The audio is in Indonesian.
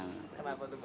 kenapa tuh mbak